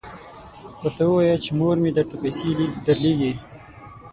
ورته ووایه چې مور مې درته پیسې درلیږي.